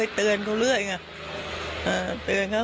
หน้าท่ารึเปล่า